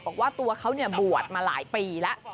บอกว่าตัวเขาบวชมาหลายปีแล้ว